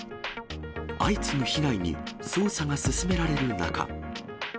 相次ぐ被害に捜査が進められる中。